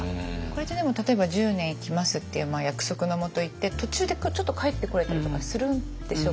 これってでも例えば１０年行きますっていう約束のもと行って途中でちょっと帰ってこれたりとかするんでしょうか？